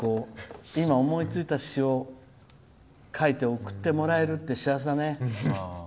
今、思いついた詩を書いて送ってもらえるって幸せだね。